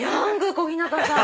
小日向さん。